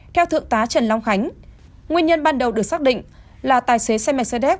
theo thượng tá trần long khánh nguyên nhân ban đầu được xác định là tài xế xe mercedes